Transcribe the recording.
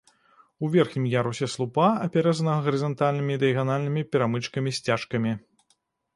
У верхнім ярусе слупа апяразана гарызантальнымі і дыяганальнымі перамычкамі-сцяжкамі.